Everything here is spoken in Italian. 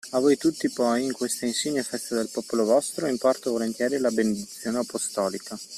A voi tutti poi, in questa insigne festa del Popolo vostro, imparto volentieri la Benedizione Apostolica.